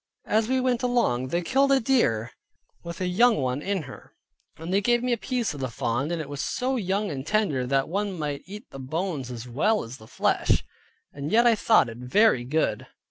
As we went along they killed a deer, with a young one in her, they gave me a piece of the fawn, and it was so young and tender, that one might eat the bones as well as the flesh, and yet I thought it very good.